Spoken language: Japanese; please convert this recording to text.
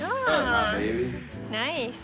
ナイス。